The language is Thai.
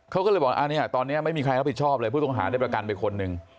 เขาก็เลยบอกอันนี้ตอนนี้ไม่มีใครรับผิดชอบเลยผู้ต้องหาได้ประกันไปคนหนึ่ง